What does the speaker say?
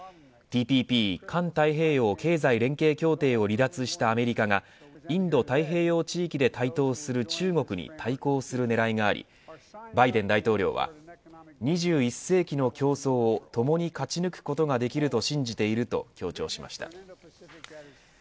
ＴＰＰ環太平洋経済連携協定を離脱したアメリカがインド太平洋地域で台頭する中国に対抗するねらいがありバイデン大統領は２１世紀の競争を共に勝ち抜くことができると信じていると強調しました。